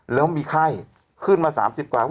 แล้วมีไข้ขึ้นมา๓๐กว่า